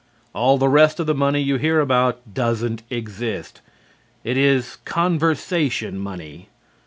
All the rest of the money you hear about doesn't exist. It is conversation money.